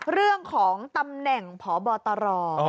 เรื่องของตำแหน่งพบตร